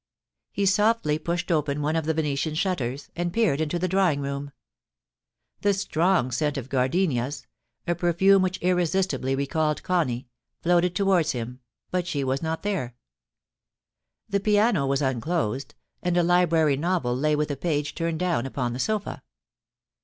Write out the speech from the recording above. He softly pushed open one of the Venetian shutters, and peered into the drawing room. The strong scent of gardenias — a perfume which irresistibly recalled Connie — floated towards him ; but she was not there. The piano was unclosed, and a library novel lay with a page turned down upon the sofa.